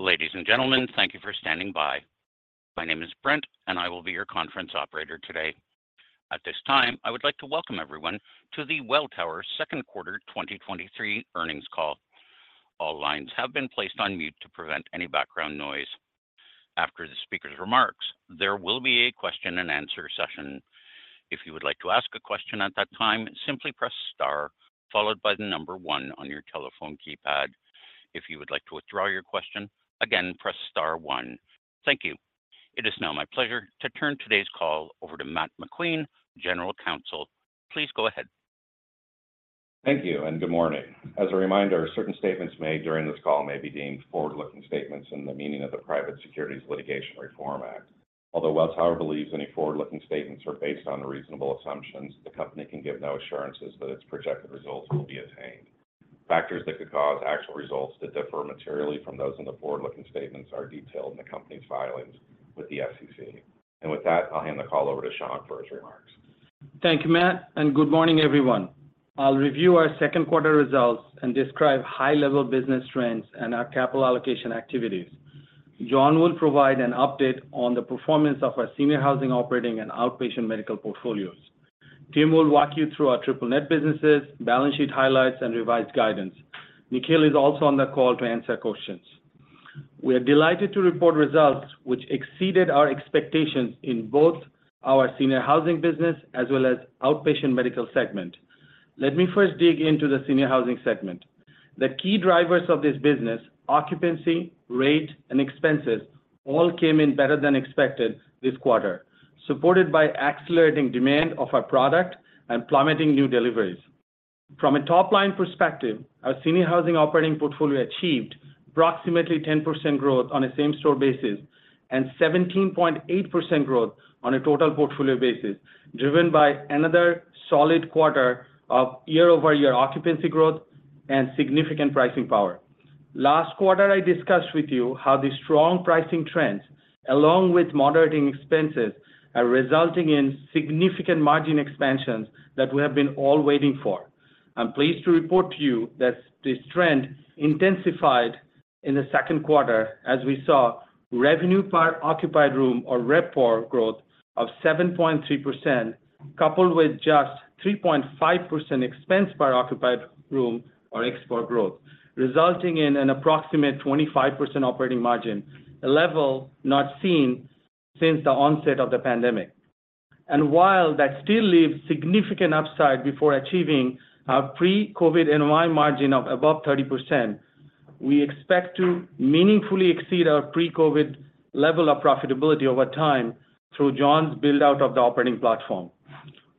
Ladies and gentlemen, thank you for standing by. My name is Brent. I will be your conference operator today. At this time, I would like to welcome everyone to the Welltower Second Quarter 2023 earnings call. All lines have been placed on mute to prevent any background noise. After the speaker's remarks, there will be a question and answer session. If you would like to ask a question at that time, simply press star, followed by one on your telephone keypad. If you would like to withdraw your question, again, press star one. Thank you. It is now my pleasure to turn today's call over to Matthew McQueen, General Counsel. Please go ahead. Thank you. Good morning. As a reminder, certain statements made during this call may be deemed forward-looking statements in the meaning of the Private Securities Litigation Reform Act. Although Welltower believes any forward-looking statements are based on reasonable assumptions, the company can give no assurances that its projected results will be attained. Factors that could cause actual results to differ materially from those in the forward-looking statements are detailed in the company's filings with the SEC. With that, I'll hand the call over to Shankh for his remarks. Thank you, Matt. Good morning, everyone. I'll review our second quarter results and describe high-level business trends and our capital allocation activities. John will provide an update on the performance of our Senior housing Operating and outpatient medical portfolios. Tim will walk you through our triple net businesses, balance sheet highlights, and revised guidance. Nikhil is also on the call to answer questions. We are delighted to report results which exceeded our expectations in both our Senior Housing business as well as outpatient medical segment. Let me first dig into the Senior Housing segment. The key drivers of this business, occupancy, rate, and expenses, all came in better than expected this quarter, supported by accelerating demand of our product and plummeting new deliveries. From a top-line perspective, our Senior Housing Operating portfolio achieved approximately 10% growth on a same-store basis and 17.8% growth on a total portfolio basis, driven by another solid quarter of year-over-year occupancy growth and significant pricing power. Last quarter, I discussed with you how the strong pricing trends, along with moderating expenses, are resulting in significant margin expansions that we have been all waiting for. I'm pleased to report to you that this trend intensified in the second quarter as we saw Revenue Per Occupied Room (RevPOR) growth of 7.3%, coupled with just 3.5% Expenses per Occupied Room (ExpPOR) growth, resulting in an approximate 25% operating margin, a level not seen since the onset of the pandemic. While that still leaves significant upside before achieving our pre-COVID NOI margin of above 30%, we expect to meaningfully exceed our pre-COVID level of profitability over time through John's build-out of the operating platform.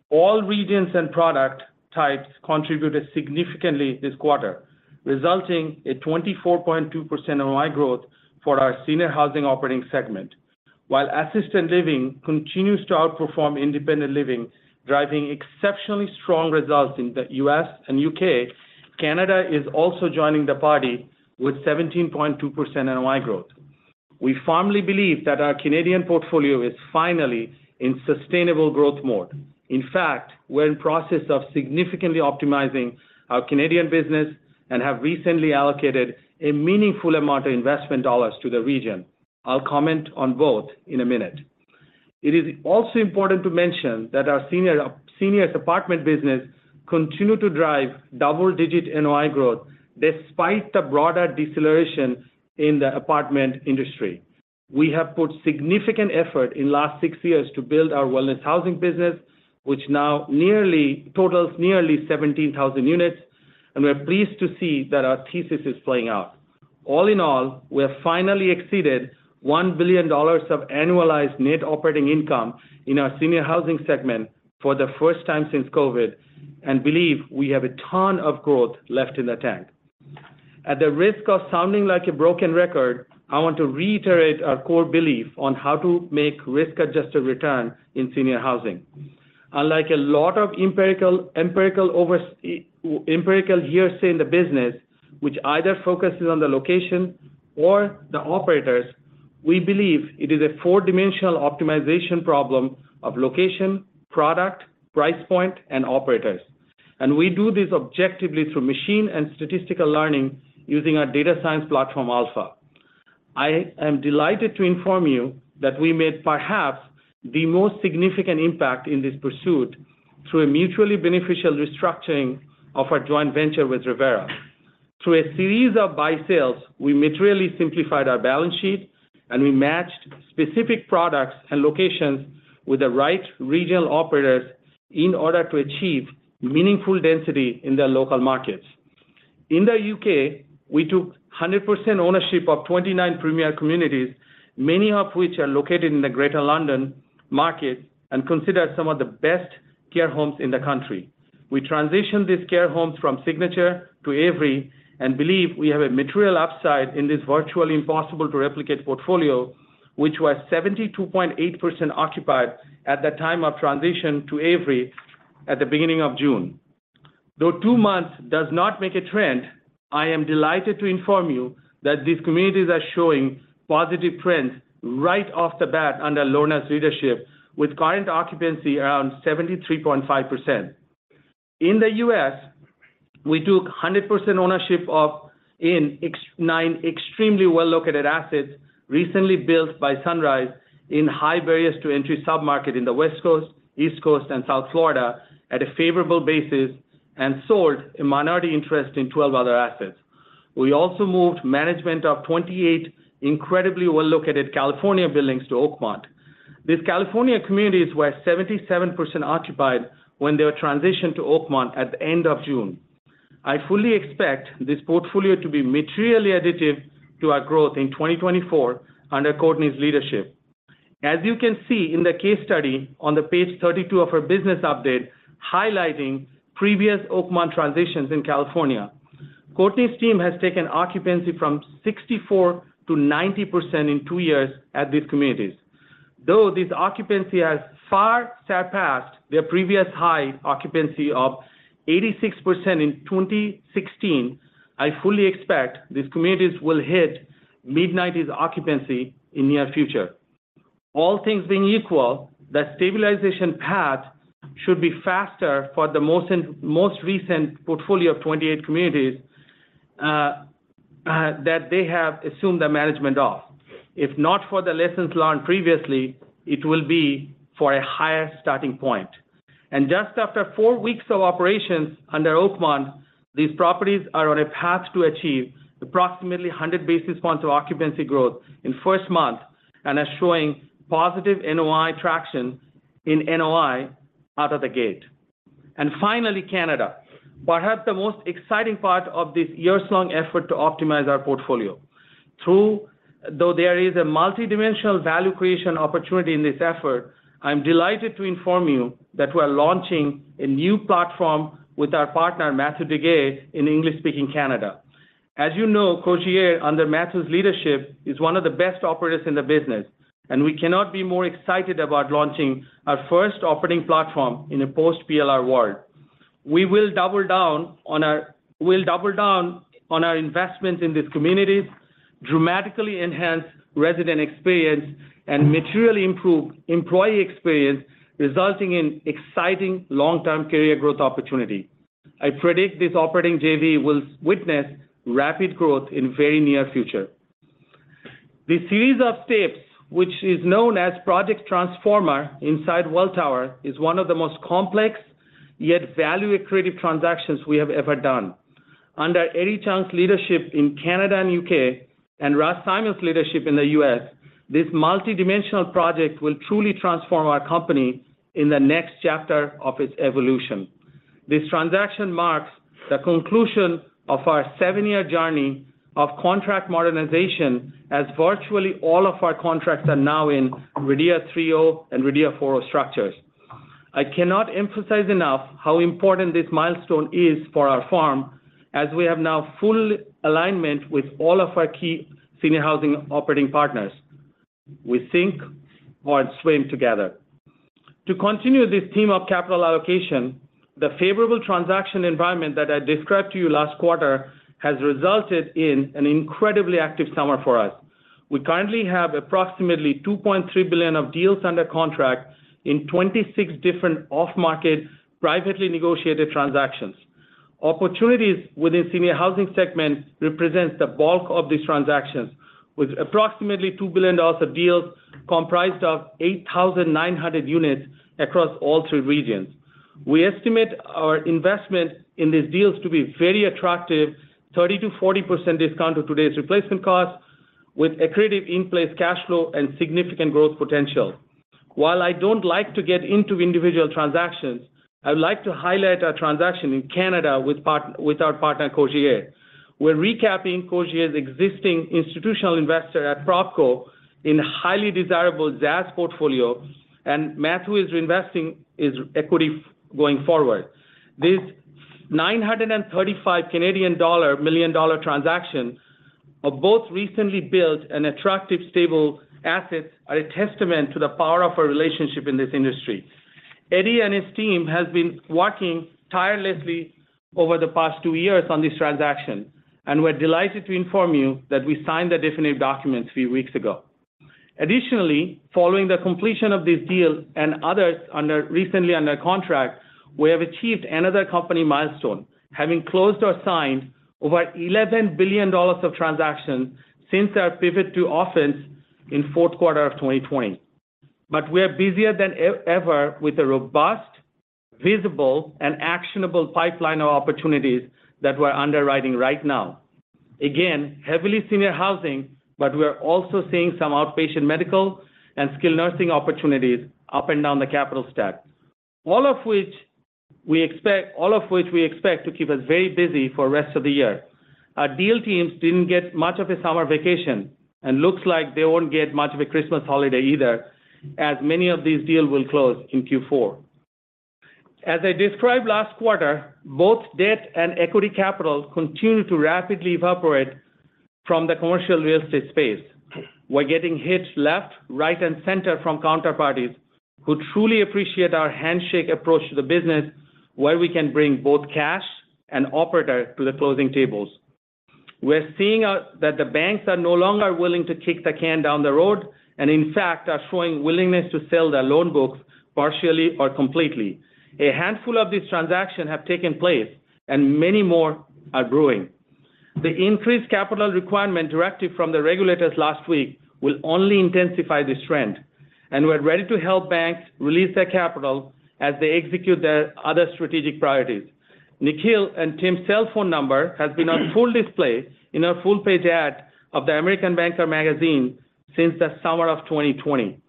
All regions and product types contributed significantly this quarter, resulting in 24.2% NOI growth for our Senior Housing operating segment. While assisted living continues to outperform independent living, driving exceptionally strong results in the U.S. and U.K., Canada is also joining the party with 17.2% NOI growth. We firmly believe that our Canadian portfolio is finally in sustainable growth mode. In fact, we're in process of significantly optimizing our Canadian business and have recently allocated a meaningful amount of investment dollars to the region. I'll comment on both in a minute. It is also important to mention that our seniors apartment business continue to drive double-digit NOI growth despite the broader deceleration in the apartment industry. We have put significant effort in last six years to build our wellness housing business, which now totals nearly 17,000 units, and we are pleased to see that our thesis is playing out. All in all, we have finally exceeded $1 billion of annualized net operating income in our Senior Housing segment for the first time since COVID, and believe we have a ton of growth left in the tank. At the risk of sounding like a broken record, I want to reiterate our core belief on how to make risk-adjusted return in Senior Housing. Unlike a lot of empirical hearsay in the business, which either focuses on the location or the operators, we believe it is a four-dimensional optimization problem of location, product, price point, and operators. We do this objectively through machine and statistical learning using our data science platform, Alpha. I am delighted to inform you that we made perhaps the most significant impact in this pursuit through a mutually beneficial restructuring of our joint venture with Revera. Through a series of buy sales, we materially simplified our balance sheet, and we matched specific products and locations with the right regional operators in order to achieve meaningful density in their local markets. In the U.K., we took 100% ownership of 29 premier communities, many of which are located in the Greater London market and considered some of the best care homes in the country. We transitioned these care homes from Signature to Avery and believe we have a material upside in this virtually impossible to replicate portfolio, which was 72.8% occupied at the time of transition to Avery at the beginning of June. Two months does not make a trend, I am delighted to inform you that these communities are showing positive trends right off the bat under Lorna's leadership, with current occupancy around 73.5%. In the U.S., we took 100% ownership of nine extremely well-located assets recently built by Sunrise in high barriers to entry submarket in the West Coast, East Coast, and South Florida at a favorable basis, and sold a minority interest in 12 other assets. We also moved management of 28 incredibly well-located California buildings to Oakmont. These California communities were 77% occupied when they were transitioned to Oakmont at the end of June. I fully expect this portfolio to be materially additive to our growth in 2024 under Courtney's leadership. As you can see in the case study on the page 32 of our business update, highlighting previous Oakmont transitions in California, Courtney's team has taken occupancy from 64%-90% in 2 years at these communities. Though this occupancy has far surpassed their previous high occupancy of 86% in 2016, I fully expect these communities will hit mid-90s occupancy in near future. All things being equal, the stabilization path should be faster for the most recent portfolio of 28 communities that they have assumed the management of. If not for the lessons learned previously, it will be for a higher starting point. Just after four weeks of operations under Oakmont, these properties are on a path to achieve approximately 100 basis points of occupancy growth in first month and are showing positive NOI traction in NOI out of the gate. Finally, Canada. Perhaps the most exciting part of this years-long effort to optimize our portfolio. Though there is a multidimensional value creation opportunity in this effort, I'm delighted to inform you that we are launching a new platform with our partner, Mathieu Duguay, in English-speaking Canada. As you know, Cogir, under Mathieu's leadership, is one of the best operators in the business, and we cannot be more excited about launching our first operating platform in a post-PLR world. We'll double down on our investments in these communities, dramatically enhance resident experience, and materially improve employee experience, resulting in exciting long-term career growth opportunity. I predict this operating JV will witness rapid growth in very near future. This series of steps, which is known as project transformer inside Welltower, is one of the most complex, yet value accretive transactions we have ever done. Under Eddie Chung's leadership in Canada and UK, and Russ Simon's leadership in the US, this multidimensional project will truly transform our company in the next chapter of its evolution. This transaction marks the conclusion of our seven year journey of contract modernization, as virtually all of our contracts are now in RIDEA 3.0 and RIDEA 4.0 structures. I cannot emphasize enough how important this milestone is for our firm, as we have now full alignment with all of our key Senior Housing operating partners. We sink or swim together. To continue this theme of capital allocation, the favorable transaction environment that I described to you last quarter has resulted in an incredibly active summer for us. We currently have approximately $2.3 billion of deals under contract in 26 different off-market, privately negotiated transactions. Opportunities within Senior Housing segment represents the bulk of these transactions, with approximately $2 billion of deals comprised of 8,900 units across all three regions. We estimate our investment in these deals to be very attractive, 30%-40% discount to today's replacement costs, with accretive in-place cash flow and significant growth potential. While I don't like to get into individual transactions, I would like to highlight a transaction in Canada with our partner, Cogier. We're recapping Cogier's existing institutional investor at PropCo in a highly desirable SaaS portfolio, and Matthew is reinvesting his equity going forward. This 935 million Canadian dollar transaction of both recently built and attractive, stable assets are a testament to the power of our relationship in this industry. Eddie and his team has been working tirelessly over the past two years on this transaction, and we're delighted to inform you that we signed the definitive documents a few weeks ago. Additionally, following the completion of this deal and others recently under contract, we have achieved another company milestone, having closed or signed over $11 billion of transactions since our pivot to offense in fourth quarter of 2020. We are busier than ever with a robust, visible, and actionable pipeline of opportunities that we're underwriting right now. Again, heavily Senior Housing, but we are also seeing some outpatient medical and skilled nursing opportunities up and down the capital stack. All of which we expect to keep us very busy for rest of the year. Our deal teams didn't get much of a summer vacation, and looks like they won't get much of a Christmas holiday either, as many of these deals will close in Q4. As I described last quarter, both debt and equity capital continue to rapidly evaporate from the commercial real estate space. We're getting hits left, right, and center from counterparties who truly appreciate our handshake approach to the business, where we can bring both cash and operator to the closing tables....We're seeing that the banks are no longer willing to kick the can down the road, and in fact, are showing willingness to sell their loan books partially or completely. A handful of these transactions have taken place, and many more are brewing. The increased capital requirement directive from the regulators last week will only intensify this trend, and we're ready to help banks release their capital as they execute their other strategic priorities. Nikhil and Tim's cellphone number has been on full display in a full-page ad of the American Banker magazine since the summer of 2020.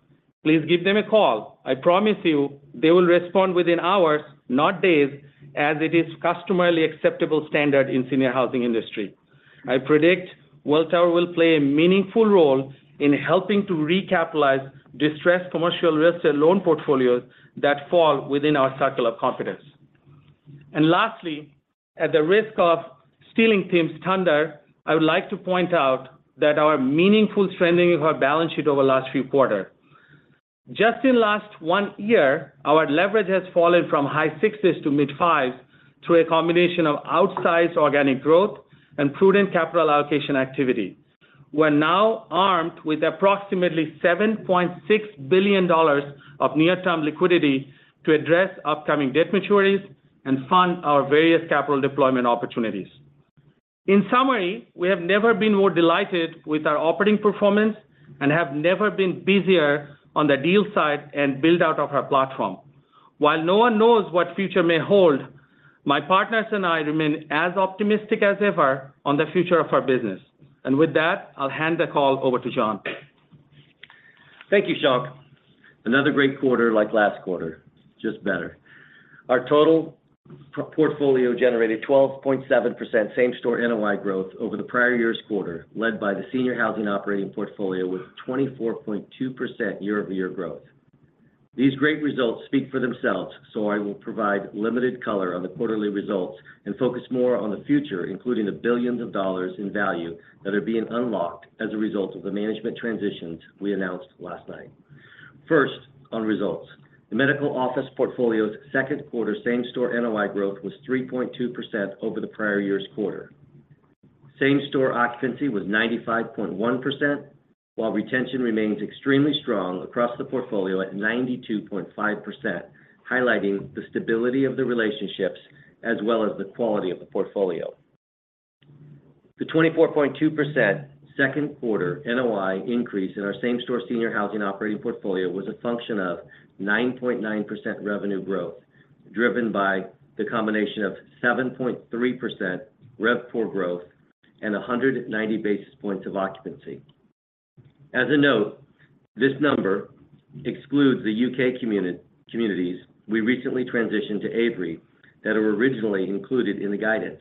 Please give them a call. I promise you, they will respond within hours, not days, as it is customarily acceptable standard in Senior Housing industry. I predict Welltower will play a meaningful role in helping to recapitalize distressed commercial real estate loan portfolios that fall within our circle of confidence. Lastly, at the risk of stealing Tim's thunder, I would like to point out that our meaningful strengthening of our balance sheet over the last few quarters. Just in last one year, our leverage has fallen from high 6s to mid 5s through a combination of outsized organic growth and prudent capital allocation activity. We're now armed with approximately $7.6 billion of near-term liquidity to address upcoming debt maturities and fund our various capital deployment opportunities. In summary, we have never been more delighted with our operating performance and have never been busier on the deal side and build out of our platform. While no one knows what future may hold, my partners and I remain as optimistic as ever on the future of our business. With that, I'll hand the call over to John. Thank you, Shankh. Another great quarter like last quarter, just better. Our total portfolio generated 12.7% same-store NOI growth over the prior year's quarter, led by the Senior Housing operating portfolio with 24.2% year-over-year growth. These great results speak for themselves, so I will provide limited color on the quarterly results and focus more on the future, including the billions of dollars in value that are being unlocked as a result of the management transitions we announced last night. First, on results. The medical office portfolio's second quarter same-store NOI growth was 3.2% over the prior year's quarter. Same-store occupancy was 95.1%, while retention remains extremely strong across the portfolio at 92.5%, highlighting the stability of the relationships as well as the quality of the portfolio. The 24.2% second quarter NOI increase in our same-store Senior Housing operating portfolio was a function of 9.9% revenue growth, driven by the combination of 7.3% RevPOR growth and 190 basis points of occupancy. As a note, this number excludes the U.K. communities we recently transitioned to Avery that were originally included in the guidance.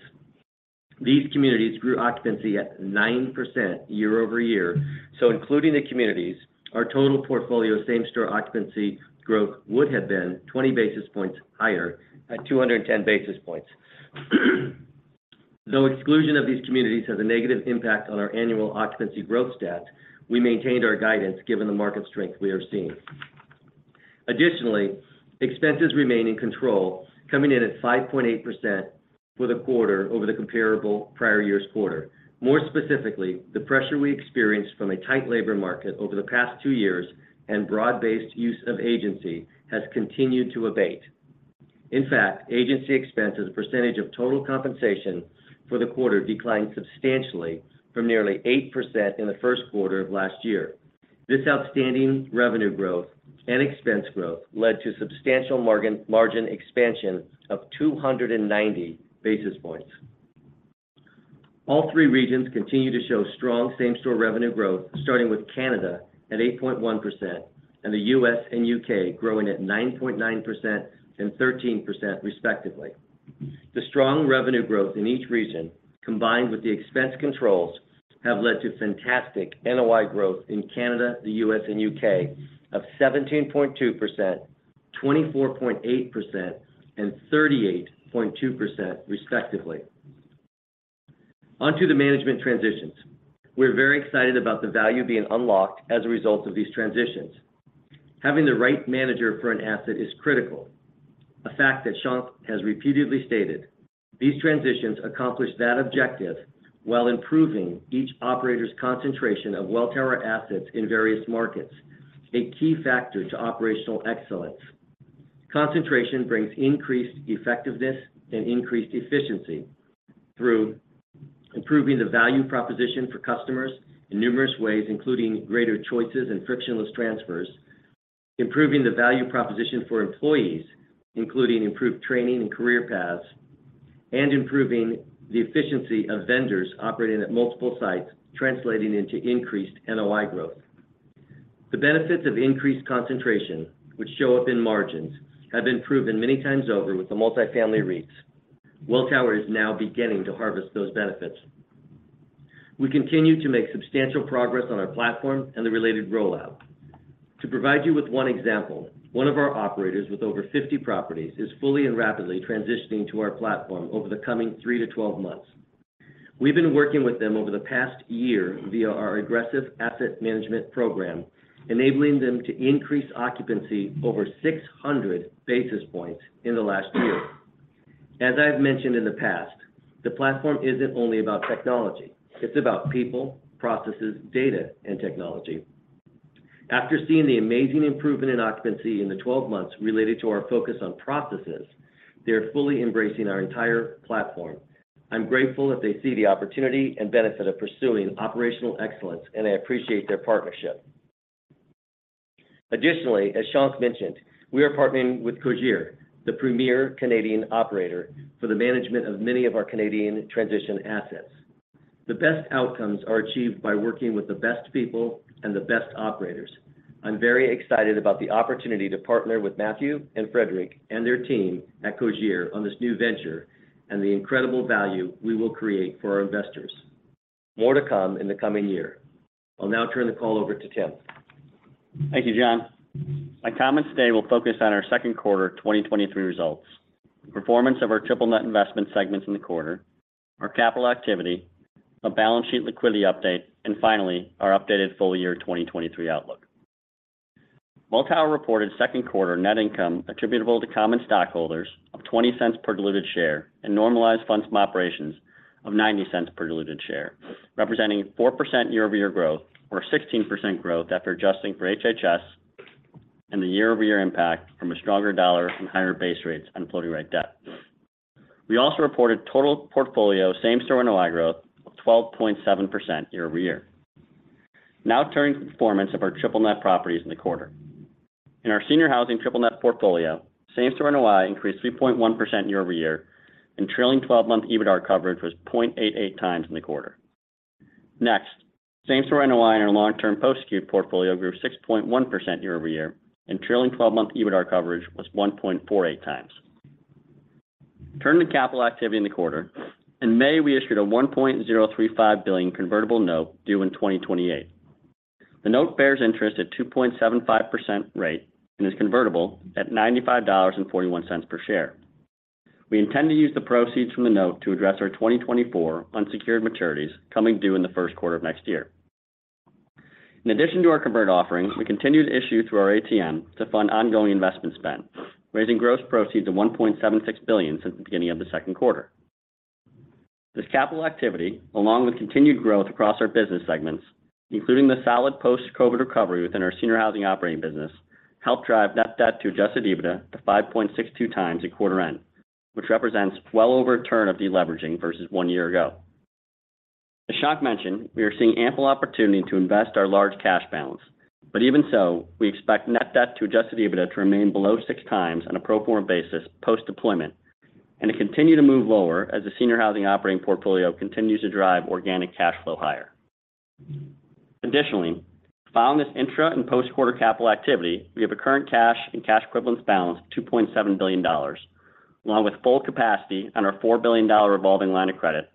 These communities grew occupancy at 9% year-over-year, including the communities, our total portfolio same-store occupancy growth would have been 20 basis points higher at 210 basis points. Though exclusion of these communities has a negative impact on our annual occupancy growth stat, we maintained our guidance given the market strength we are seeing. Additionally, expenses remain in control, coming in at 5.8% for the quarter over the comparable prior year's quarter. More specifically, the pressure we experienced from a tight labor market over the past two years and broad-based use of agency has continued to abate. In fact, agency expense as a percentage of total compensation for the quarter declined substantially from nearly 8% in the first quarter of last year. This outstanding revenue growth and expense growth led to substantial margin, margin expansion of 290 basis points. All three regions continue to show strong same-store revenue growth, starting with Canada at 8.1%, and the U.S. and U.K. growing at 9.9% and 13% respectively. The strong revenue growth in each region, combined with the expense controls, have led to fantastic NOI growth in Canada, the U.S., and U.K. of 17.2%, 24.8%, and 38.2%, respectively. On to the management transitions. We're very excited about the value being unlocked as a result of these transitions. Having the right manager for an asset is critical, a fact that Shankh has repeatedly stated. These transitions accomplish that objective while improving each operator's concentration of Welltower assets in various markets, a key factor to operational excellence. Concentration brings increased effectiveness and increased efficiency through improving the value proposition for customers in numerous ways, including greater choices and frictionless transfers, improving the value proposition for employees, including improved training and career paths, and improving the efficiency of vendors operating at multiple sites, translating into increased NOI growth. The benefits of increased concentration, which show up in margins, have been proven many times over with the multifamily REITs. Welltower is now beginning to harvest those benefits. We continue to make substantial progress on our platform and the related rollout. To provide you with one example, one of our operators with over 50 properties is fully and rapidly transitioning to our platform over the coming 3-12 months. We've been working with them over the past year via our aggressive asset management program, enabling them to increase occupancy over 600 basis points in the last year. As I've mentioned in the past, the platform isn't only about technology; it's about people, processes, data, and technology. After seeing the amazing improvement in occupancy in the 12 months related to our focus on processes, they are fully embracing our entire platform. I'm grateful that they see the opportunity and benefit of pursuing operational excellence, and I appreciate their partnership. Additionally, as Shank mentioned, we are partnering with Cogir, the premier Canadian operator, for the management of many of our Canadian transition assets. The best outcomes are achieved by working with the best people and the best operators. I'm very excited about the opportunity to partner with Matthew and Frederick, and their team at Cogir on this new venture, and the incredible value we will create for our investors. More to come in the coming year. I'll now turn the call over to Tim. Thank you, John. My comments today will focus on our second quarter 2023 results, performance of our triple net investment segments in the quarter, our capital activity, a balance sheet liquidity update, and finally, our updated full year 2023 outlook. Welltower reported 2Q net income attributable to common stockholders of $0.20 per diluted share, and normalized funds from operations of $0.90 per diluted share, representing 4% year-over-year growth, or 16% growth after adjusting for HHS, and the year-over-year impact from a stronger dollar and higher base rates on floating rate debt. We also reported total portfolio same-store NOI growth of 12.7% year-over-year. Now turning to the performance of our triple net properties in the quarter. In our Senior Housing triple net portfolio, same-store NOI increased 3.1% year-over-year, and trailing 12-month EBITDA coverage was 0.88x in the quarter. Next, same-store NOI in our long-term post-acute portfolio grew 6.1% year-over-year, and trailing 12-month EBITDA coverage was 1.48x. Turning to capital activity in the quarter. In May, we issued a $1.035 billion convertible note due in 2028. The note bears interest at 2.75% rate and is convertible at $95.41 per share. We intend to use the proceeds from the note to address our 2024 unsecured maturities coming due in the first quarter of next year. In addition to our convert offerings, we continue to issue through our ATM to fund ongoing investment spend, raising gross proceeds of $1.76 billion since the beginning of the second quarter. This capital activity, along with continued growth across our business segments, including the solid post-COVID recovery within our Senior Housing operating business, helped drive net debt to adjusted EBITDA to 5.62x at quarter end, which represents well over a turn of deleveraging versus one year ago. As Shankh mentioned, we are seeing ample opportunity to invest our large cash balance. Even so, we expect net debt to adjusted EBITDA to remain below 6x on a pro forma basis, post-deployment, and to continue to move lower as the senior housing operating portfolio continues to drive organic cash flow higher. Additionally, following this intra and post-quarter capital activity, we have a current cash and cash equivalents balance of $2.7 billion, along with full capacity on our $4 billion revolving line of credit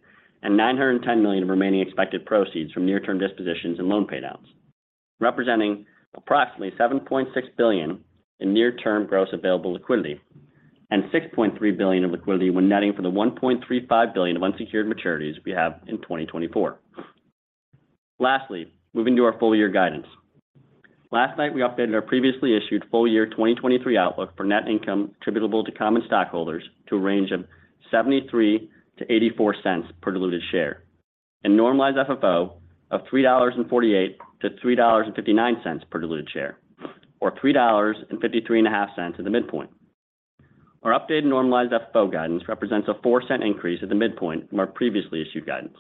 and $910 million in remaining expected proceeds from near-term dispositions and loan paydowns. Representing approximately $7.6 billion in near-term gross available liquidity and $6.3 billion in liquidity when netting for the $1.35 billion of unsecured maturities we have in 2024. Lastly, moving to our full year guidance. Last night, we updated our previously issued full year 2023 outlook for net income attributable to common stockholders to a range of $0.73-$0.84 per diluted share, and normalized FFO of $3.48-$3.59 per diluted share, or $3.535 at the midpoint. Our updated normalized FFO guidance represents a $0.04 increase at the midpoint from our previously issued guidance.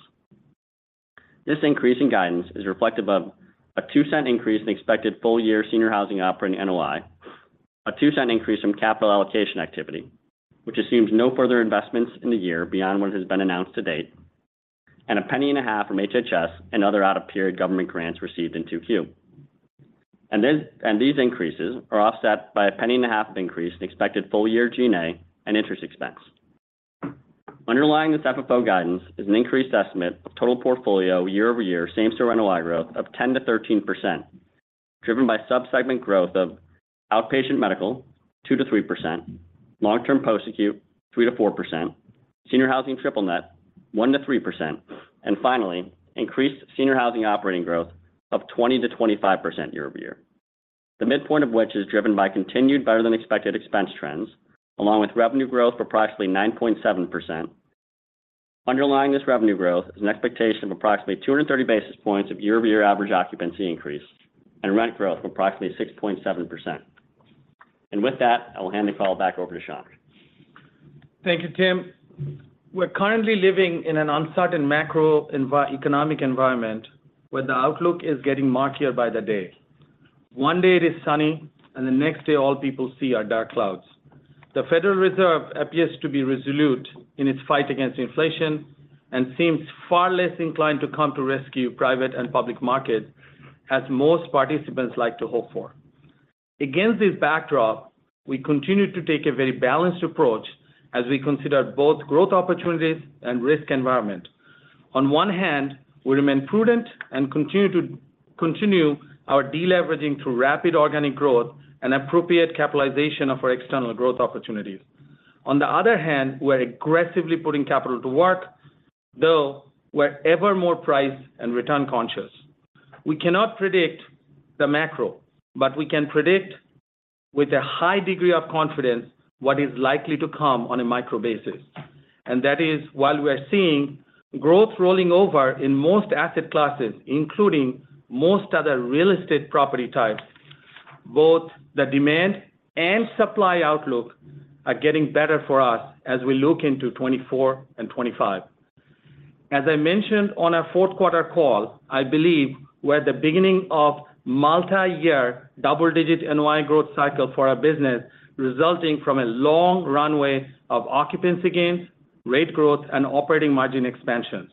This increase in guidance is reflective of a $0.02 increase in expected full year Senior Housing Operating NOI, a $0.02 increase from capital allocation activity, which assumes no further investments in the year beyond what has been announced to date, and $0.015 from HHS and other out of period government grants received in 2Q. These increases are offset by $0.01 of increase in expected full year G&A and interest expense. Underlying this FFO guidance is an increased estimate of total portfolio year-over-year, same store NOI growth of 10%-13%, driven by subsegment growth of outpatient medical, 2%-3%, long-term post-acute, 3%-4%, Senior Housing triple net, 1%-3%, and finally, increased Senior Housing Operating growth of 20%-25% year-over-year. The midpoint of which is driven by continued better than expected expense trends, along with revenue growth of approximately 9.7%. Underlying this revenue growth is an expectation of approximately 230 basis points of year-over-year average occupancy increase and rent growth of approximately 6.7%. With that, I will hand the call back over to Shankh. Thank you, Tim. We're currently living in an uncertain macroeconomic environment, where the outlook is getting murkier by the day. One day it is sunny, the next day all people see are dark clouds. The federal reserve appears to be resolute in its fight against inflation and seems far less inclined to come to rescue private and public markets, as most participants like to hope for. Against this backdrop, we continue to take a very balanced approach as we consider both growth opportunities and risk environment. On one hand, we remain prudent and continue our deleveraging through rapid organic growth and appropriate capitalization of our external growth opportunities. On the other hand, we're aggressively putting capital to work, though we're ever more price and return conscious. We cannot predict the macro, we can predict.... With a high degree of confidence, what is likely to come on a micro basis. That is, while we are seeing growth rolling over in most asset classes, including most other real estate property types, both the demand and supply outlook are getting better for us as we look into 2024 and 2025. As I mentioned on our fourth quarter call, I believe we're at the beginning of multi-year, double-digit NOI growth cycle for our business, resulting from a long runway of occupancy gains, rate growth, and operating margin expansions.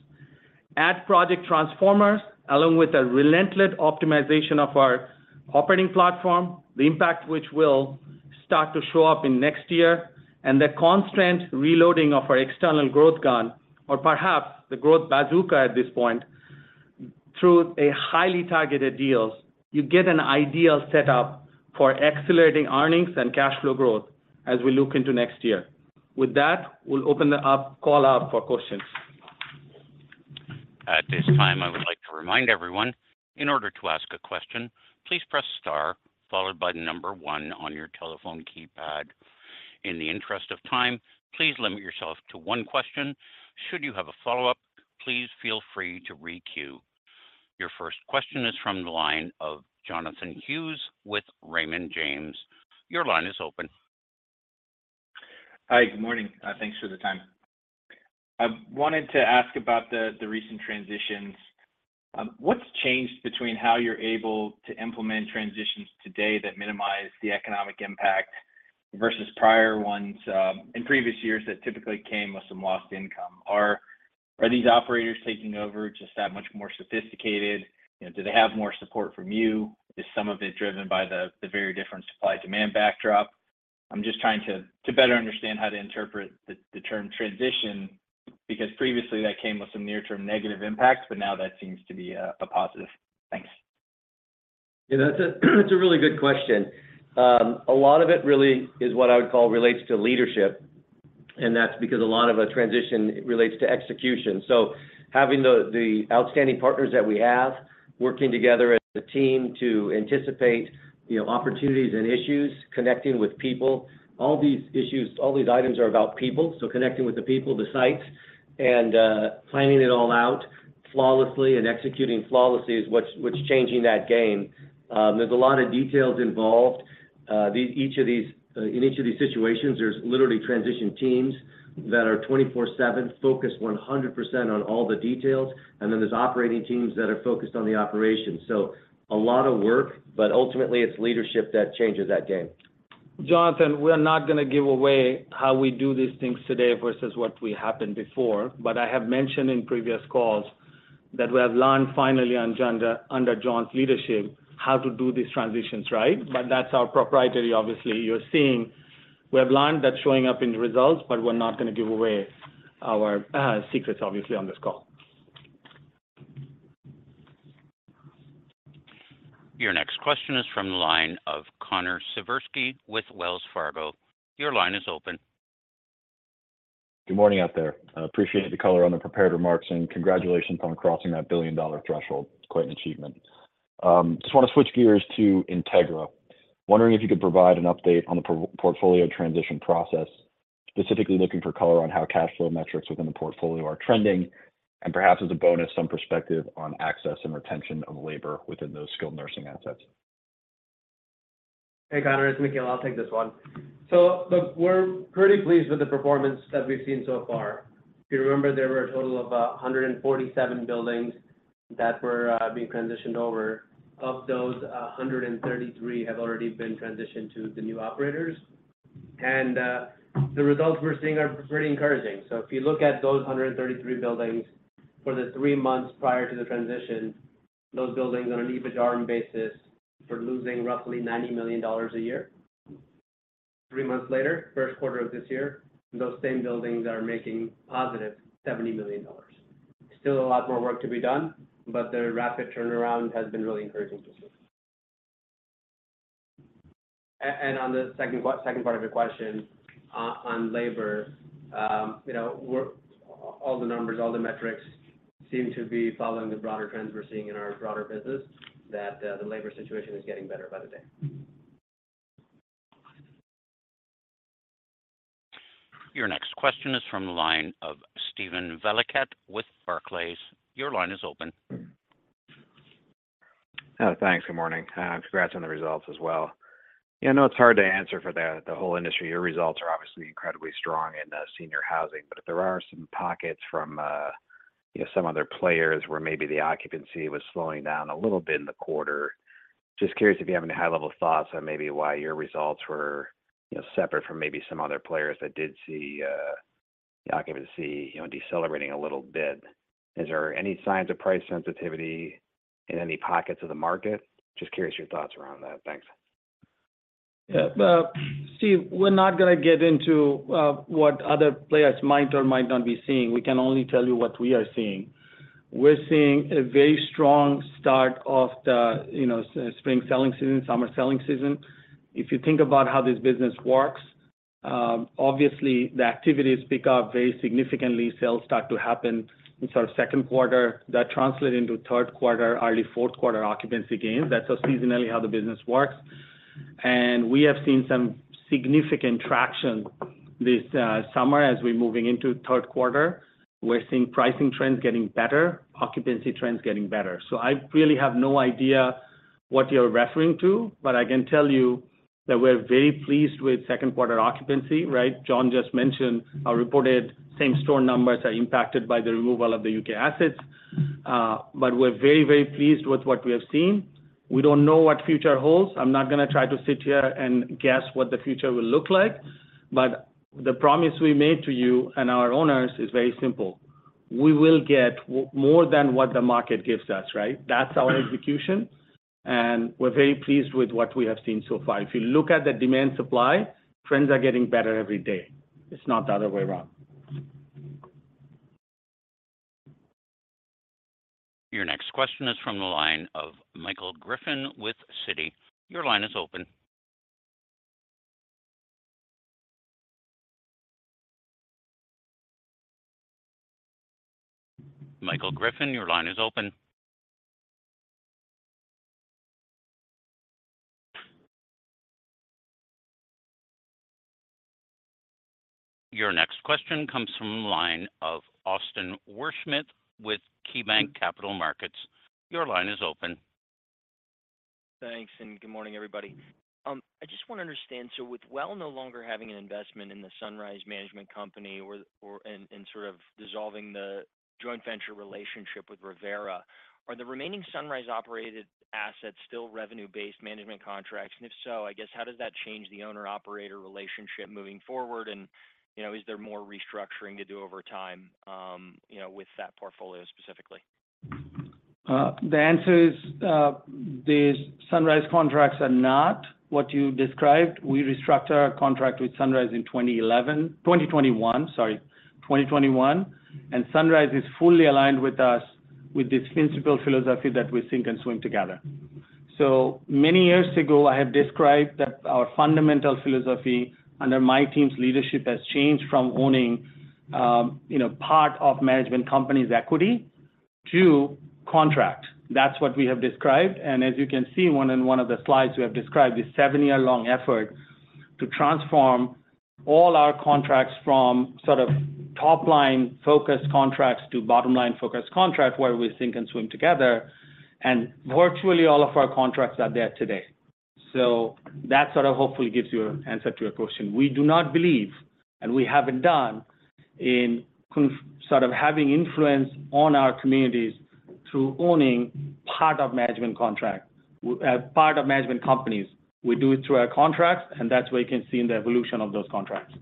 Add Project Transformers, along with a relentless optimization of our operating platform, the impact which will start to show up in next year, and the constant reloading of our external growth gun, or perhaps the growth bazooka at this point, through a highly targeted deals, you get an ideal setup for accelerating earnings and cash flow growth as we look into next year. With that, we'll open it up, call out for questions. At this time, I would like to remind everyone, in order to ask a question, please press star, followed by the number one on your telephone keypad. In the interest of time, please limit yourself to one question. Should you have a follow-up, please feel free to re-queue. Your first question is from the line of Jonathan Hughes with Raymond James. Your line is open. Hi, good morning. Thanks for the time. I wanted to ask about the, the recent transitions. What's changed between how you're able to implement transitions today that minimize the economic impact versus prior ones in previous years that typically came with some lost income? Are these operators taking over just that much more sophisticated? You know, do they have more support from you? Is some of it driven by the, the very different supply-demand backdrop? I'm just trying to better understand how to interpret the term transition, because previously, that came with some near-term negative impacts, but now that seems to be a positive. Thanks. Yeah, that's a, that's a really good question. A lot of it really is what I would call relates to leadership, and that's because a lot of a transition relates to execution. So having the, the outstanding partners that we have, working together as a team to anticipate, you know, opportunities and issues, connecting with people. All these issues, all these items are about people, so connecting with the people, the sites, and planning it all out flawlessly and executing flawlessly is what's, what's changing that game. There's a lot of details involved. The, each of these, in each of these situations, there's literally transition teams that are 24/7, focused 100% on all the details, and then there's operating teams that are focused on the operation. So a lot of work, but ultimately, it's leadership that changes that game. Jonathan, we are not going to give away how we do these things today versus what we happened before. I have mentioned in previous calls that we have learned, finally, under John's leadership, how to do these transitions, right? That's our proprietary. Obviously, you're seeing we have learned that's showing up in the results, but we're not going to give away our secrets, obviously, on this call. Your next question is from the line of Connor Siversky with Wells Fargo. Your line is open. Good morning out there. I appreciate the color on the prepared remarks, congratulations on crossing that billion-dollar threshold. It's quite an achievement. Just want to switch gears to Integra. Wondering if you could provide an update on the portfolio transition process, specifically looking for color on how cash flow metrics within the portfolio are trending, and perhaps as a bonus, some perspective on access and retention of labor within those skilled nursing assets. Hey, Connor, it's Nikhil. I'll take this one. Look, we're pretty pleased with the performance that we've seen so far. If you remember, there were a total of 147 buildings that were being transitioned over. Of those, 133 have already been transitioned to the new operators, the results we're seeing are pretty encouraging. If you look at those 133 buildings, for the three months prior to the transition, those buildings, on an EBITDA basis, were losing roughly $90 million a year. Three months later, first quarter of this year, those same buildings are making positive $70 million. Still a lot more work to be done, but the rapid turnaround has been really encouraging to see. On the second part, second part of your question, on labor, you know, all the numbers, all the metrics seem to be following the broader trends we're seeing in our broader business, that the labor situation is getting better by the day. Your next question is from the line of Steven Valiquette with Barclays. Your line is open. Thanks. Good morning, and congrats on the results as well. Yeah, I know it's hard to answer for the, the whole industry. Your results are obviously incredibly strong in Senior Housing, but there are some pockets from, you know, some other players where maybe the occupancy was slowing down a little bit in the quarter. Just curious if you have any high-level thoughts on maybe why your results were, you know, separate from maybe some other players that did see the occupancy, you know, decelerating a little bit. Is there any signs of price sensitivity in any pockets of the market? Just curious your thoughts around that. Thanks. Yeah, Steve, we're not going to get into what other players might or might not be seeing. We can only tell you what we are seeing. We're seeing a very strong start of the, you know, spring selling season, summer selling season. If you think about how this business works, obviously, the activities pick up very significantly, sales start to happen in sort of second quarter. That translate into third quarter, early fourth quarter occupancy gains. That's just seasonally how the business works. We have seen some significant traction this summer as we're moving into third quarter. We're seeing pricing trends getting better, occupancy trends getting better. I really have no idea what you're referring to, but I can tell you that we're very pleased with second quarter occupancy, right? John just mentioned our reported same store numbers are impacted by the removal of the U.K. assets. We're very, very pleased with what we have seen. We don't know what future holds. I'm not gonna try to sit here and guess what the future will look like, the promise we made to you and our owners is very simple: We will get more than what the market gives us, right? That's our execution, we're very pleased with what we have seen so far. If you look at the demand supply, trends are getting better every day. It's not the other way around. Your next question is from the line of Michael Griffin with Citi. Your line is open. Michael Griffin, your line is open. Your next question comes from the line of Austin Wurschmidt with KeyBanc Capital Markets. Your line is open. Thanks, good morning, everybody. I just wanna understand, so with Well no longer having an investment in the Sunrise Management company or sort of dissolving the joint venture relationship with Revera, are the remaining Sunrise-operated assets still revenue-based management contracts? If so, I guess, how does that change the owner-operator relationship moving forward, and, you know, is there more restructuring to do over time, you know, with that portfolio specifically? The answer is, these Sunrise contracts are not what you described. We restructured our contract with Sunrise in 2011-- 2021, sorry, 2021, and Sunrise is fully aligned with us with this principle philosophy that we sync and swim together. So many years ago, I have described that our fundamental philosophy under my team's leadership has changed from owning, you know, part of management company's equity to contract. That's what we have described, and as you can see, one in one of the slides, we have described this seven year long effort to transform all our contracts from sort of top line focused contracts to bottom line focused contract, where we sync and swim together, and virtually all of our contracts are there today. That sort of hopefully gives you an answer to your question. We do not believe, and we haven't done, in sort of having influence on our communities through owning part of management contract, part of management companies. We do it through our contracts, and that's where you can see the evolution of those contracts.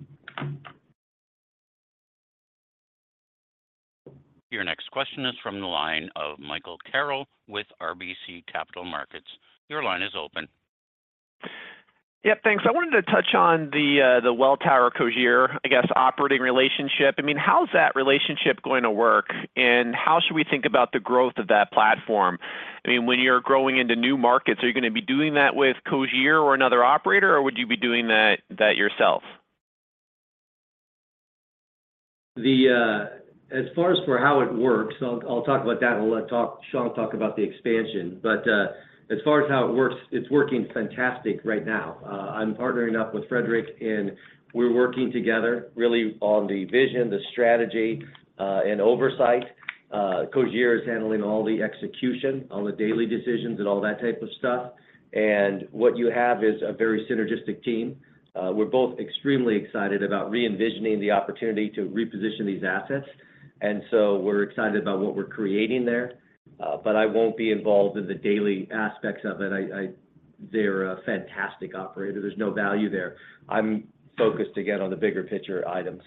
Your next question is from the line of Michael Carroll with RBC Capital Markets. Your line is open. Yeah, thanks. I wanted to touch on the Welltower-Cogir, I guess, operating relationship. I mean, how's that relationship going to work, and how should we think about the growth of that platform? I mean, when you're growing into new markets, are you gonna be doing that with Cogir or another operator, or would you be doing that, that yourself? The as far as for how it works, I'll, I'll talk about that, and I'll let Shank talk about the expansion. As far as how it works, it's working fantastic right now. I'm partnering up with Frederick, and we're working together really on the vision, the strategy, and oversight. Cogir is handling all the execution, all the daily decisions, and all that type of stuff. What you have is a very synergistic team. We're both extremely excited about re-envisioning the opportunity to reposition these assets, and so we're excited about what we're creating there. I won't be involved in the daily aspects of it. I, they're a fantastic operator. There's no value there. I'm focused again on the bigger picture items.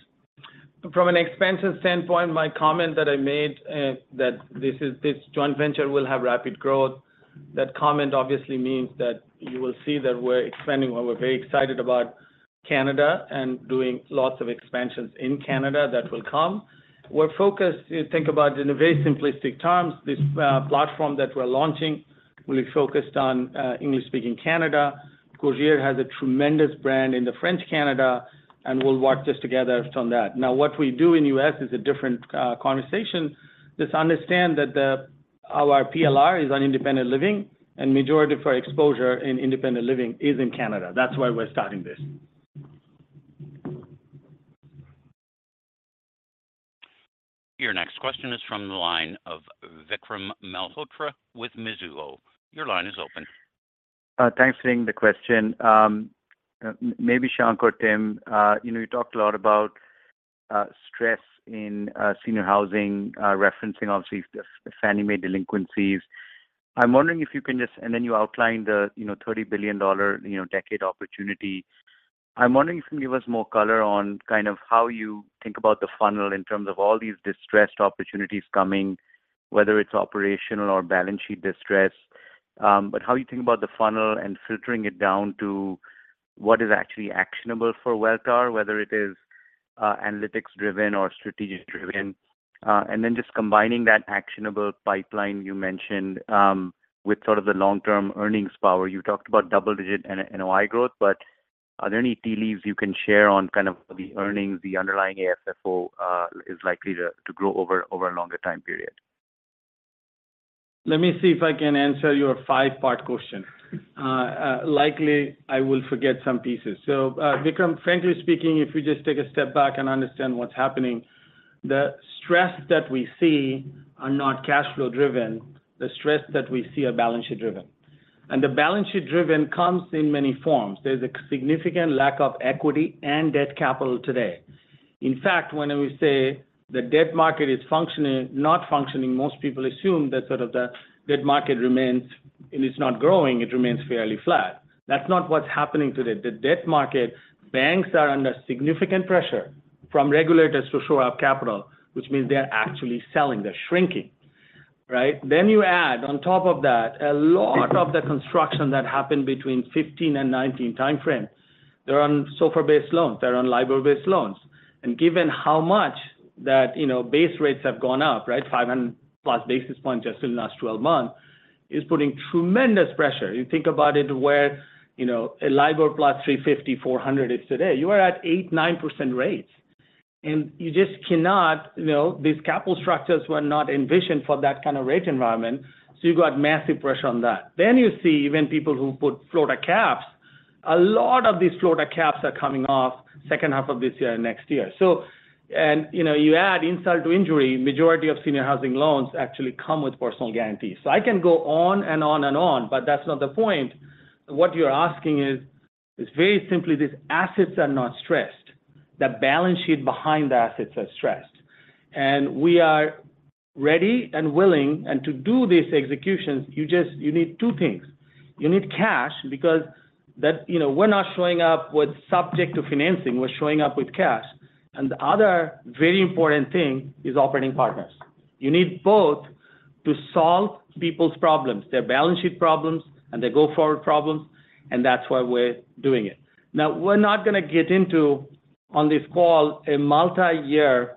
From an expansion standpoint, my comment that I made, that this joint venture will have rapid growth, that comment obviously means that you will see that we're expanding. We're very excited about Canada and doing lots of expansions in Canada that will come. We're focused, if you think about in very simplistic terms, this platform that we're launching will be focused on English-speaking Canada. Cogir has a tremendous brand in the French Canada, and we'll work this together on that. Now, what we do in U.S. is a different conversation. Just understand that our PLR is on independent living, and majority of our exposure in independent living is in Canada. That's why we're starting this. Your next question is from the line of Vikram Malhotra with Mizuho. Your line is open. Thanks for taking the question. maybe Shankh or Tim, you know, you talked a lot about stress in Senior Housing, referencing obviously the Fannie Mae delinquencies. Then you outlined the, you know, $30 billion, you know, decade opportunity. I'm wondering if you can give us more color on kind of how you think about the funnel in terms of all these distressed opportunities coming, whether it's operational or balance sheet distress. how you think about the funnel and filtering it down to what is actually actionable for Welltower, whether it is analytics driven or strategic driven? Then just combining that actionable pipeline you mentioned, with sort of the long-term earnings power. You talked about double-digit NOI growth, but are there any tea leaves you can share on kind of the earnings, the underlying AFFO, is likely to, to grow over, over a longer time period? Let me see if I can answer your five-part question. likely, I will forget some pieces. Vikram, frankly speaking, if you just take a step back and understand what's happening, the stress that we see are not cash flow driven. The stress that we see are balance sheet driven. The balance sheet driven comes in many forms. There's a significant lack of equity and debt capital today. When we say the debt market is functioning, not functioning, most people assume that sort of the debt market remains, and it's not growing, it remains fairly flat. That's not what's happening today. The debt market, banks are under significant pressure from regulators to shore up capital, which means they're actually selling, they're shrinking, right? You add on top of that, a lot of the construction that happened between 15 and 19 timeframe, they're on SOFR-based loans, they're on LIBOR-based loans. Given how much that, you know, base rates have gone up, right? 500+ basis points just in the last 12 months, is putting tremendous pressure. You think about it, where, you know, a LIBOR plus 350, 400 is today, you are at 8, 9% rates. You just cannot, you know, these capital structures were not envisioned for that kind of rate environment, so you've got massive pressure on that. You see, even people who put floors to caps, a lot of these floors to caps are coming off second half of this year and next year. You know, you add insult to injury, majority of senior housing loans actually come with personal guarantees. I can go on and on and on, but that's not the point. What you're asking is very simply, these assets are not stressed. The balance sheet behind the assets are stressed. We are ready and willing, and to do these executions, you need two things. You need cash, because, you know, we're not showing up with subject to financing, we're showing up with cash. The other very important thing is operating partners. You need both to solve people's problems, their balance sheet problems, and their go-forward problems, and that's why we're doing it. We're not gonna get into, on this call, a multi-year,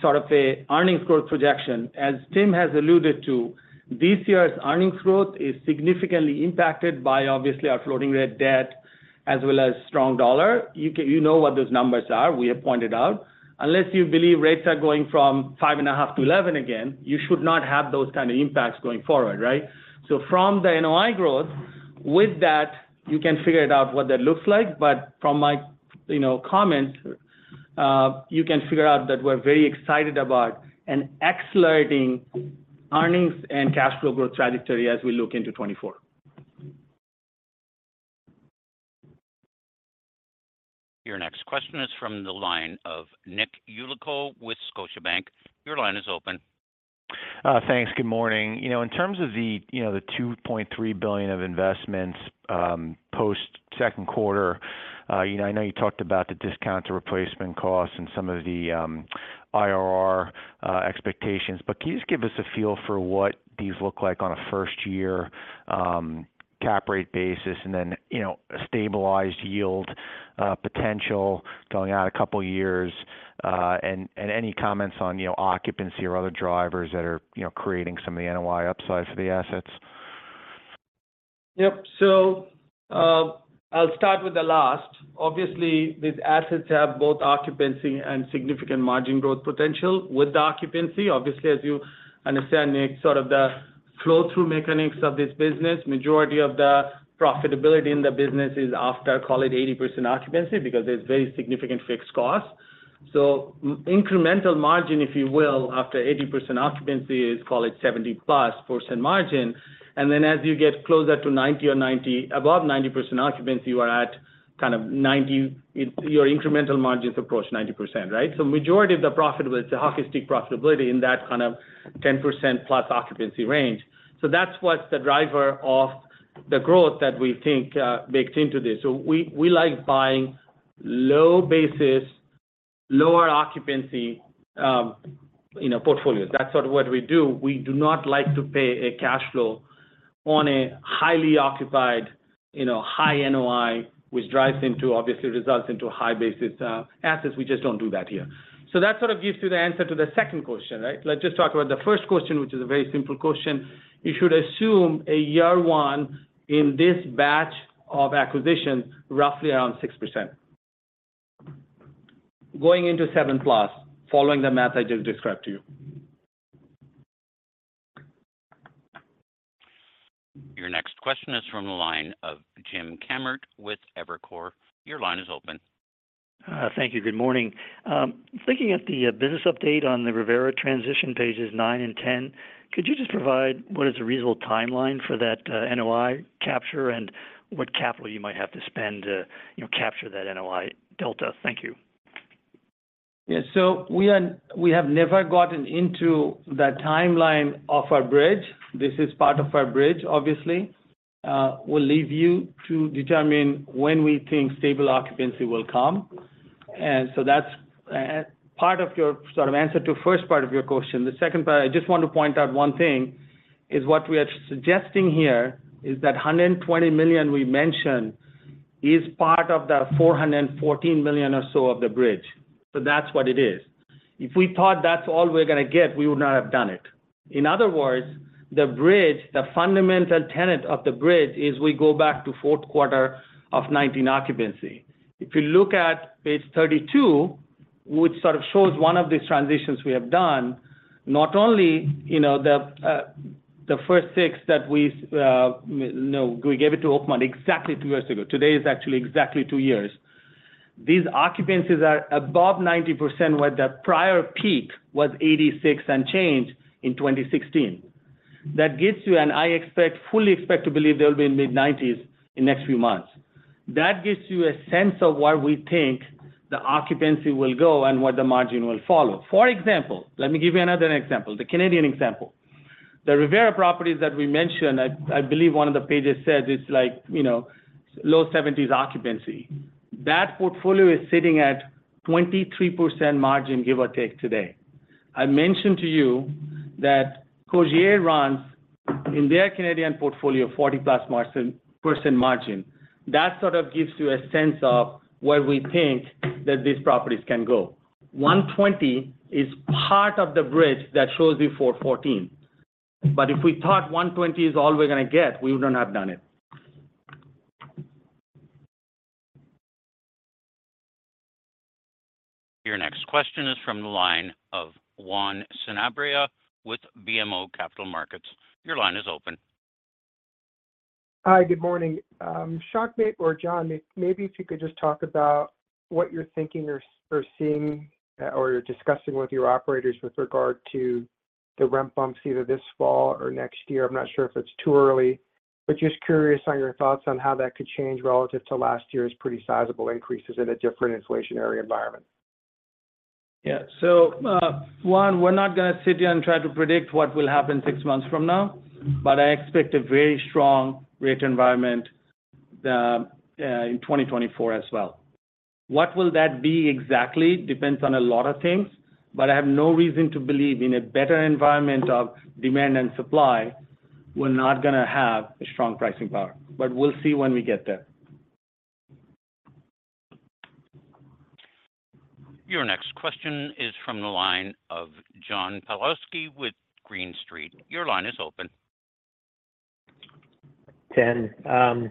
sort of a earnings growth projection. As Tim has alluded to, this year's earnings growth is significantly impacted by, obviously, our floating rate debt, as well as strong dollar. You know what those numbers are, we have pointed out. Unless you believe rates are going from 5.5 to 11 again, you should not have those kind of impacts going forward, right? From the NOI growth, with that, you can figure it out what that looks like. From my, you know, comment, you can figure out that we're very excited about an accelerating earnings and cash flow growth trajectory as we look into 2024. Your next question is from the line of Nick Yulico with Scotiabank. Your line is open. Thanks. Good morning. You know, in terms of the, you know, the $2.3 billion of investments, post-second quarter, you know, I know you talked about the discount to replacement costs and some of the IRR expectations, but can you just give us a feel for what these look like on a first year cap rate basis, and then, you know, a stabilized yield potential going out a couple of years, and any comments on, you know, occupancy or other drivers that are, you know, creating some of the NOI upside for the assets Yep. I'll start with the last. Obviously, these assets have both occupancy and significant margin growth potential. With the occupancy, obviously, as you understand, Nick, sort of the flow-through mechanics of this business, majority of the profitability in the business is after, call it, 80% occupancy, because there's very significant fixed costs. Incremental margin, if you will, after 80% occupancy, is call it 70%+ margin. Then as you get closer to 90% or above 90% occupancy, you are at kind of 90%. Your incremental margins approach 90%, right? Majority of the profitability, the hockey stick profitability in that kind of 10%+ occupancy range. That's what's the driver of the growth that we think baked into this. We, we like buying low basis, lower occupancy, you know, portfolios. That's sort of what we do. We do not like to pay a cash flow on a highly occupied, you know, high NOI, which drives into obviously results into high basis assets. We just don't do that here. That sort of gives you the answer to the second question, right? Let's just talk about the first question, which is a very simple question. You should assume a year one in this batch of acquisitions, roughly around 6%. Going into 7+, following the math I just described to you. Your next question is from the line of James Kammert with Evercore. Your line is open. Thank you. Good morning. Looking at the business update on the Revera transition, pages nine and 10, could you just provide what is a reasonable timeline for that NOI capture, and what capital you might have to spend to, you know, capture that NOI delta? Thank you. Yeah, we have never gotten into the timeline of our bridge. This is part of our bridge, obviously. We'll leave you to determine when we think stable occupancy will come. That's part of your sort of answer to first part of your question. The second part, I just want to point out one thing: what we are suggesting here is that $120 million we mentioned is part of the $414 million or so of the bridge. That's what it is. If we thought that's all we're gonna get, we would not have done it. In other words, the bridge, the fundamental tenet of the bridge is we go back to fourth quarter of 2019 occupancy. If you look at page 32, which sort of shows one of these transitions we have done, not only, you know, the, the first six that we, no, we gave it to Oakmont exactly two years ago. Today is actually exactly two years. These occupancies are above 90%, where the prior peak was 86 and change in 2016. That gives you, I expect, fully expect to believe they'll be in mid-90s in the next few months. That gives you a sense of where we think the occupancy will go and where the margin will follow. For example, let me give you another example, the Canadian example. The Revera properties that we mentioned, I, I believe one of the pages says it's like, you know, low 70s occupancy. That portfolio is sitting at 23% margin, give or take today. I mentioned to you that Cogir runs in their Canadian portfolio, 40%+ margin. That sort of gives you a sense of where we think that these properties can go. 120 is part of the bridge that shows you 414. If we thought 120 is all we're gonna get, we would not have done it. Your next question is from the line of Juan Sanabria with BMO Capital Markets. Your line is open. Hi, good morning. Shankh or John, maybe if you could just talk about what you're thinking or, or seeing, or you're discussing with your operators with regard to the rent bumps either this fall or next year? I'm not sure if it's too early, but just curious on your thoughts on how that could change relative to last year's pretty sizable increases in a different inflationary environment? Yeah. Juan, we're not gonna sit here and try to predict what will happen six months from now, but I expect a very strong rate environment in 2024 as well. What will that be exactly? Depends on a lot of things, I have no reason to believe in a better environment of demand and supply, we're not gonna have a strong pricing power. We'll see when we get there. Your next question is from the line of John Pawlowski with Green Street. Your line is open. 10, a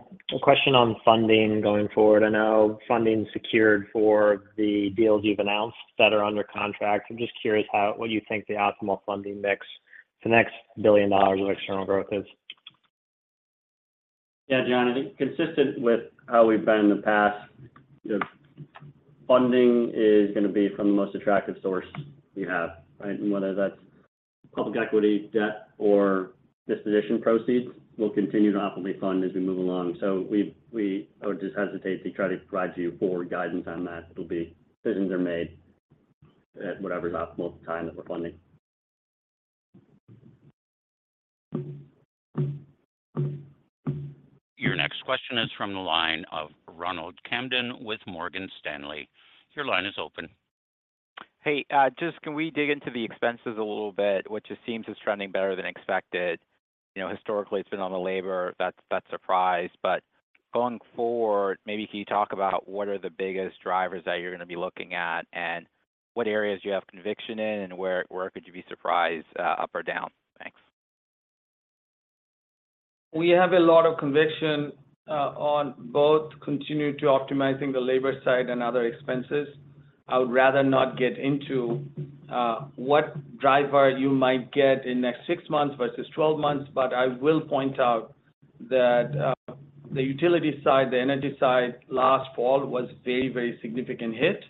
question on funding going forward. I know funding secured for the deals you've announced that are under contract. I'm just curious how, what you think the optimal funding mix for the next $1 billion of external growth is? Yeah, John, I think consistent with how we've been in the past, the funding is gonna be from the most attractive source we have, right? Whether that's public equity, debt, or disposition proceeds, we'll continue to optimally fund as we move along. I would just hesitate to try to provide you forward guidance on that. It'll be, decisions are made at whatever's optimal at the time of the funding. Your next question is from the line of Ronald Kamdem with Morgan Stanley. Your line is open. Hey, just can we dig into the expenses a little bit, which it seems is trending better than expected? You know, historically, it's been on the labor. That's, that's a surprise. Going forward, maybe can you talk about what are the biggest drivers that you're gonna be looking at? What areas you have conviction in, and where, where could you be surprised, up or down? Thanks. We have a lot of conviction on both continuing to optimizing the labor side and other expenses. I would rather not get into what driver you might get in the next six months versus 12 months, but I will point out that the utility side, the energy side, last fall was a very, very significant hit.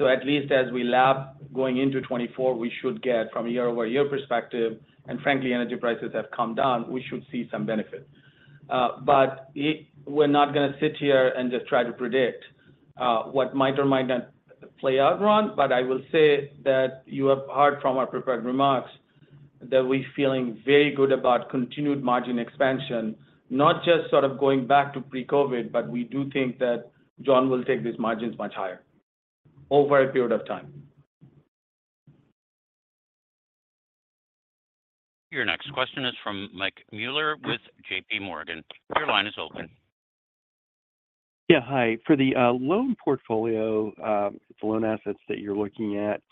At least as we lab going into 2024, we should get from a year-over-year perspective, and frankly, energy prices have come down, we should see some benefit. It-- we're not gonna sit here and just try to predict what might or might not play out, Ron. I will say that you have heard from our prepared remarks, that we feeling very good about continued margin expansion, not just sort of going back to pre-COVID, but we do think that John will take these margins much higher over a period of time. Your next question is from Mike Mueller with JPMorgan. Your line is open. Yeah, hi. For the loan portfolio, the loan assets that you're looking at,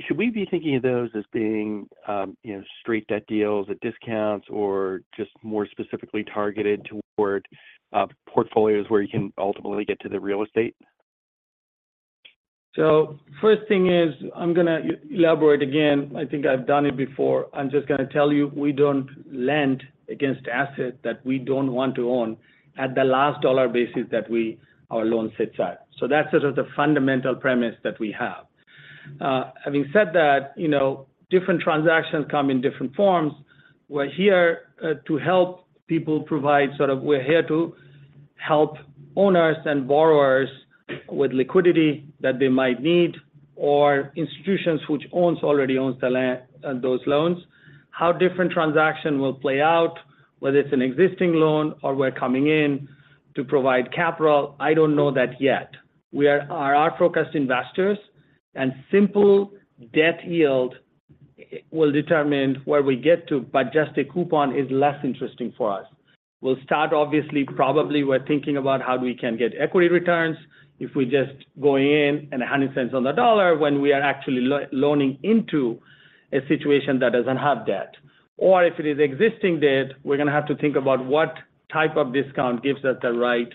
should we be thinking of those as being, you know, straight debt deals at discounts, or just more specifically targeted toward portfolios where you can ultimately get to the real estate? First thing is, I'm gonna elaborate again, I think I've done it before. I'm just gonna tell you, we don't lend against asset that we don't want to own at the last dollar basis that we, our loan sits at. That's sort of the fundamental premise that we have. Having said that, you know, different transactions come in different forms. We're here to help people provide sort of... We're here to help owners and borrowers with liquidity that they might need, or institutions which owns, already owns those loans. How different transaction will play out, whether it's an existing loan or we're coming in to provide capital, I don't know that yet. We are, our focus is investors-... and simple debt yield will determine where we get to, but just a coupon is less interesting for us. We'll start, obviously, probably we're thinking about how we can get equity returns if we just go in and $1.00 on the dollar when we are actually loaning into a situation that doesn't have debt. If it is existing debt, we're gonna have to think about what type of discount gives us the right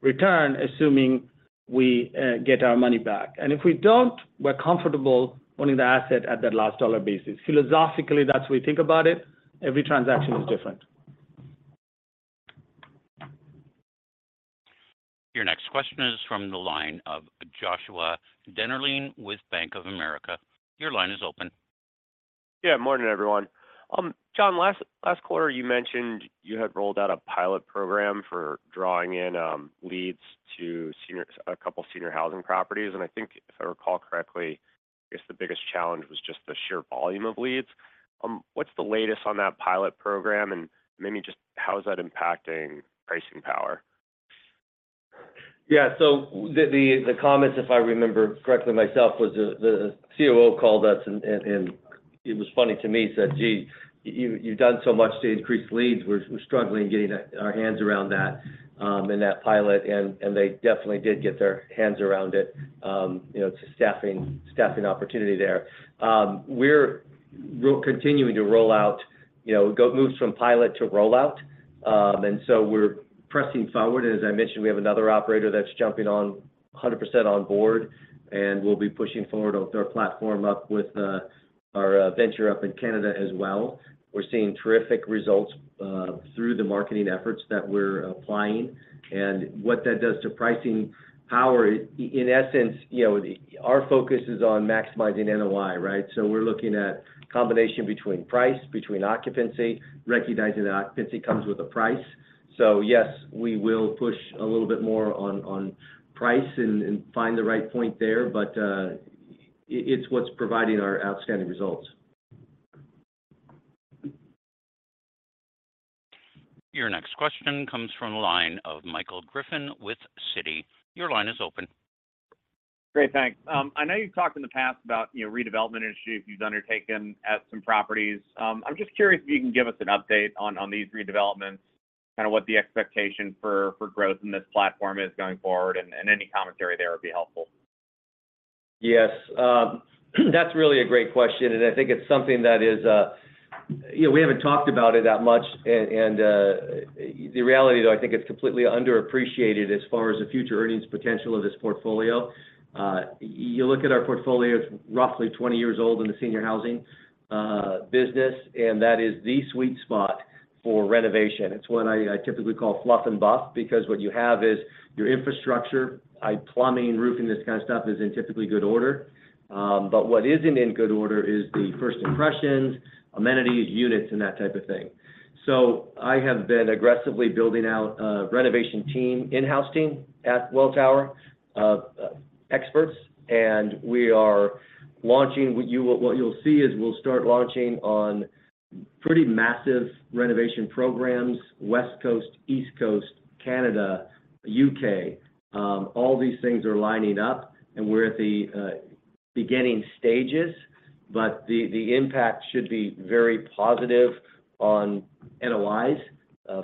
return, assuming we get our money back. If we don't, we're comfortable owning the asset at that last dollar basis. Philosophically, that's how we think about it. Every transaction is different. Your next question is from the line of Joshua Dennerlein with Bank of America. Your line is open. Yeah, morning, everyone. John, last, last quarter, you mentioned you had rolled out a pilot program for drawing in, leads to a couple Senior Housing properties, and I think if I recall correctly, I guess the biggest challenge was just the sheer volume of leads. What's the latest on that pilot program, and maybe just how is that impacting pricing power? Yeah. The comments, if I remember correctly myself, was the COO called us, and it was funny to me, said, "Gee, you've, you've done so much to increase leads. We're, we're struggling getting our hands around that, in that pilot." They definitely did get their hands around it. You know, it's a staffing, staffing opportunity there. We're continuing to roll out, you know, move from pilot to rollout. We're pressing forward. As I mentioned, we have another operator that's jumping on 100% on board. We'll be pushing forward with our platform up with our venture up in Canada as well. We're seeing terrific results through the marketing efforts that we're applying. What that does to pricing power, in essence, you know, our focus is on maximizing NOI, right? We're looking at combination between price, between occupancy, recognizing that occupancy comes with a price. Yes, we will push a little bit more on price and find the right point there, it's what's providing our outstanding results. Your next question comes from the line of Michael Griffin with Citi. Your line is open. Great, thanks. I know you've talked in the past about, you know, redevelopment initiatives you've undertaken at some properties. I'm just curious if you can give us an update on, on these redevelopments, kind of what the expectation for, for growth in this platform is going forward, and, and any commentary there would be helpful. Yes, that's really a great question, and I think it's something that is. You know, we haven't talked about it that much, and, and, the reality, though, I think it's completely underappreciated as far as the future earnings potential of this portfolio. You look at our portfolio, it's roughly 20 years old in the Senior Housing business, and that is the sweet spot for renovation. It's what I, I typically call fluff and buff, because what you have is your infrastructure, plumbing, roofing, this kind of stuff is in typically good order. What isn't in good order is the first impressions, amenities, units, and that type of thing. I have been aggressively building out a renovation team, in-house team, at Welltower, experts, and we are launching. What you'll see is we'll start launching on pretty massive renovation programs, West Coast, East Coast, Canada, UK. All these things are lining up. We're at the beginning stages. The impact should be very positive on NOIs,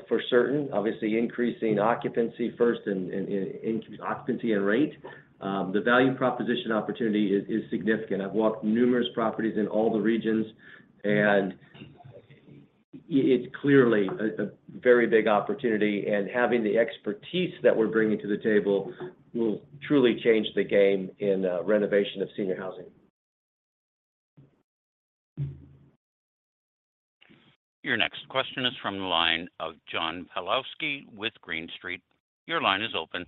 for certain, obviously increasing occupancy first, and increase occupancy and rate. The value proposition opportunity is significant. I've walked numerous properties in all the regions, and it's clearly a very big opportunity, and having the expertise that we're bringing to the table will truly change the game in renovation of Senior Housing. Your next question is from the line of John Pawlowski with Green Street. Your line is open.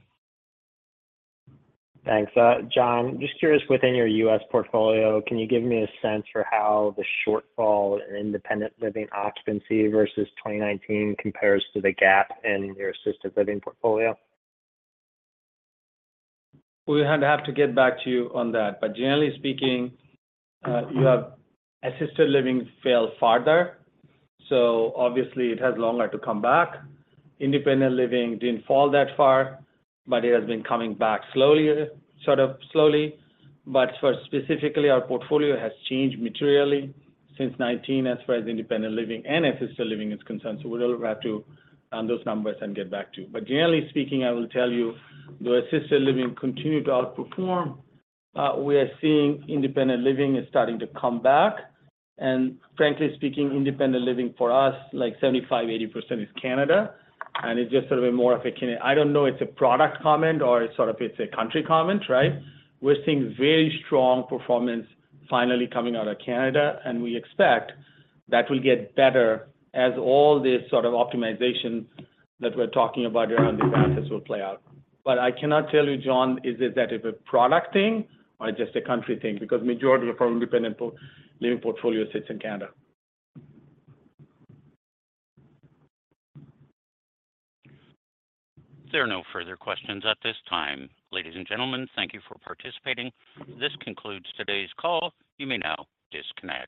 Thanks. John, just curious, within your U.S. portfolio, can you give me a sense for how the shortfall in independent living occupancy versus 2019 compares to the gap in your assisted living portfolio? We're gonna have to get back to you on that, but generally speaking, you have assisted living fell farther, so obviously it has longer to come back. Independent living didn't fall that far, but it has been coming back slowly, sort of slowly. For specifically, our portfolio has changed materially since 2019 as far as independent living and assisted living is concerned, so we'll have to run those numbers and get back to you. Generally speaking, I will tell you, the assisted living continued to outperform. We are seeing independent living is starting to come back. Frankly speaking, independent living for us, like 75%, 80% is Canada, and it's just sort of a more of a Canada-- I don't know it's a product comment or sort of it's a country comment, right? We're seeing very strong performance finally coming out of Canada. We expect that will get better as all this sort of optimization that we're talking about around these assets will play out. I cannot tell you, John, is it that it's a product thing or just a country thing, because majority of our independent living portfolio sits in Canada. There are no further questions at this time. Ladies and gentlemen, thank you for participating. This concludes today's call. You may now disconnect.